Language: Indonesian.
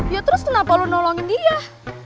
ya terus kenapa lo nolongin dia